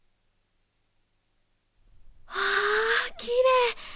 わきれい！